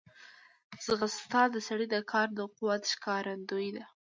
ځغاسته د سړي د کار د قوت ښکارندوی ده